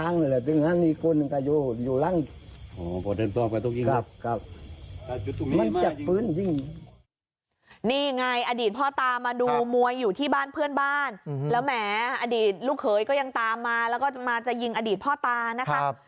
นี่ไงอดีตพ่อตามาดูมวยอยู่ที่บ้านเพื่อนบ้านแล้วแหมอดีตลูกเขยก็ยังตามมาแล้วก็จะมาจะยิงอดีตพ่อตานะคะ